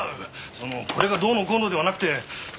そのこれがどうのこうのではなくてその。